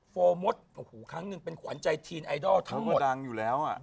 โมมดโอ้โหครั้งหนึ่งเป็นขวัญใจทีนไอดอลทั้งหมดดังอยู่แล้วอ่ะ